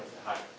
はい。